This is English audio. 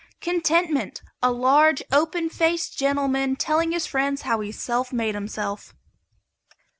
CONTENTMENT. A large, open faced gentleman telling his friends how he self made himself.